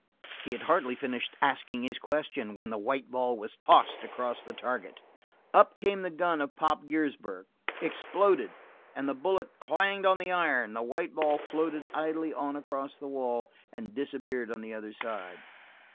He had hardly finished asking his question when a white ball was tossed across the target. Up came the gun of Pop Giersberg, exploded, and the bullet clanged on the iron; the white ball floated idly on across the wall and disappeared on the other side.